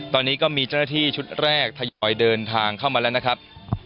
ตอนนี้ก็มีเจ้าหน้าที่ชุดแรกทยอยเดินทางเข้ามาแล้วนะครับ